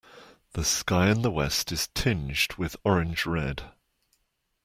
The sky in the west is tinged with orange red.